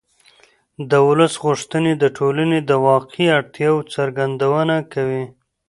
د ولس غوښتنې د ټولنې د واقعي اړتیاوو څرګندونه کوي